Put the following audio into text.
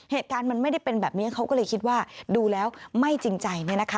เหตุการณ์มันไม่ได้เป็นแบบนี้เขาก็เลยคิดว่าดูแล้วไม่จริงใจ